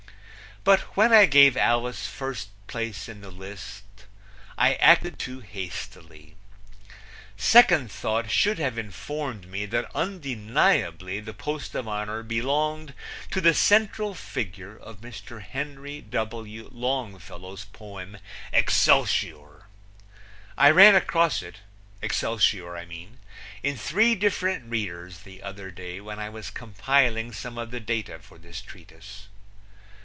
But when I gave Alice first place in the list I acted too hastily. Second thought should have informed me that undeniably the post of honor belonged to the central figure of Mr. Henry W. Longfellow's poem, Excelsior. I ran across it Excelsior, I mean in three different readers the other day when I was compiling some of the data for this treatise.